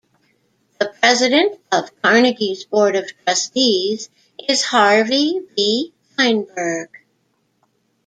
The President of Carnegie's Board of Trustees is Harvey V. Fineberg.